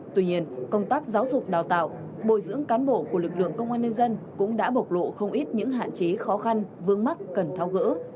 tuy nhiên công tác giáo dục đào tạo bồi dưỡng cán bộ của lực lượng công an nhân dân cũng đã bộc lộ không ít những hạn chế khó khăn vướng mắt cần thao gỡ